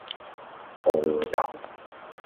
蠔油